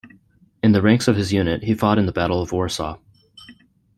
In the ranks of his unit he fought in the Battle of Warsaw.